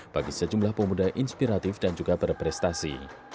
bagi sejumlah pemuda inspiratif dan juga berprestasi